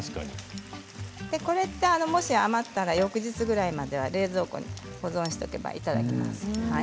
もし余ったら翌日ぐらいまでは冷蔵庫に保存しておけばいただけます。